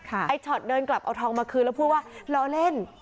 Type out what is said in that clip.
ไอ้ช็อตเดินกลับเอาทองมาคืนแล้วพูดว่าล้อเล่น